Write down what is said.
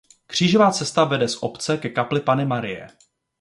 Křížová cesta vede z obce ke kapli Panny Marie.